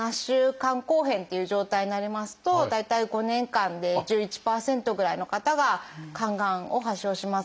肝硬変っていう状態になりますと大体５年間で１１％ぐらいの方が肝がんを発症します。